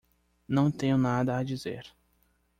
Não tenho nada a dizer.